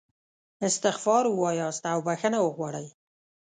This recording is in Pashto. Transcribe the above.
استغفار ووایاست او بخښنه وغواړئ.